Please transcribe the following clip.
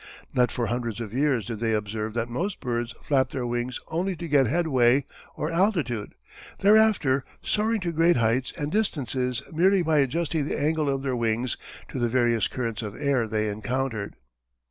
Not for hundreds of years did they observe that most birds flapped their wings only to get headway, or altitude, thereafter soaring to great heights and distances merely by adjusting the angle of their wings to the various currents of air they encountered.